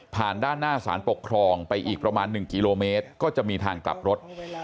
ด้านหน้าสารปกครองไปอีกประมาณ๑กิโลเมตรก็จะมีทางกลับรถ